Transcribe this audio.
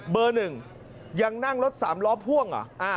เบอร์๑ยังนั่งรถสามล้อพ่วง